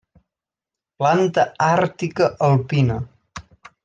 Planta àrtica alpina.